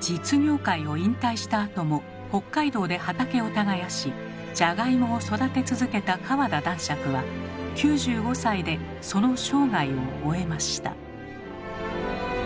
実業界を引退したあとも北海道で畑を耕しじゃがいもを育て続けた川田男爵は９５歳でその生涯を終えました。